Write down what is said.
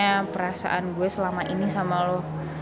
gak ada perasaan gue selama ini sama lo